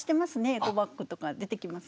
エコバッグとか出てきます。